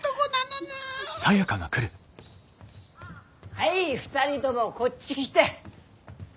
はい２人ともこっち来て。